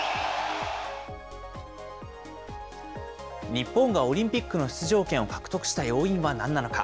日本がオリンピックの出場権を獲得した要因はなんなのか。